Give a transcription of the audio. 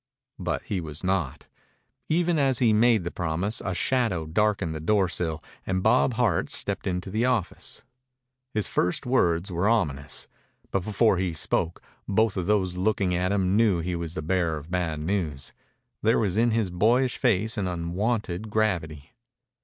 But he was not. Even as he made the promise a shadow darkened the doorsill and Bob Hart stepped into the office. His first words were ominous, but before he spoke both of those looking at him knew he was the bearer of bad news. There was in his boyish face an unwonted gravity.